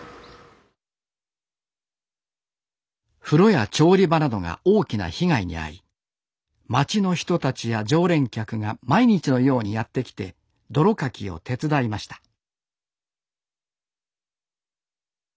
風呂や調理場などが大きな被害に遭い町の人たちや常連客が毎日のようにやって来て泥かきを手伝いました